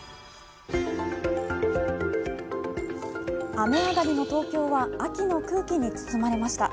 雨上がりの東京は秋の空気に包まれました。